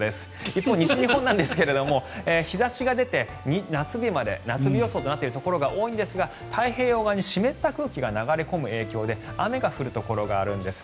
一方、西日本ですが日差しが出て夏日予想となっているところが多いんですが太平洋側に湿った空気が流れ込む影響で雨が降るところがあるんです。